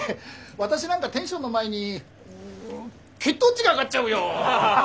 私なんかテンションの前に血糖値が上がっちゃうよ。